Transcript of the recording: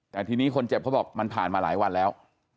แต่ทีนี้คนเจ็บเขาบอกมันผ่านมาหลายวันแล้ว